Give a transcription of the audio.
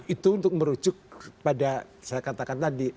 itu untuk merujuk pada saya kata kata tadi